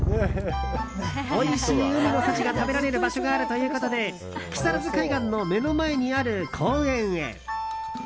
おいしい海の幸が食べられる場所があるということで木更津海岸の目の前にある公園へ。